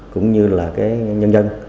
cũng như là nhân dân